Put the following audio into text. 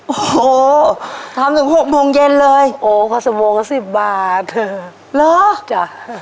โอ้โหถามถึงหกโมงเย็นเลยโอ้ก็สองก็สิบบาทหรอจ้ะ